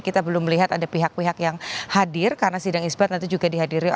kita belum melihat ada pihak pihak yang hadir karena sidang isbat nanti juga dihadiri